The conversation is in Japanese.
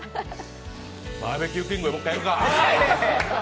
「バーベキューキング」もう一回やるか？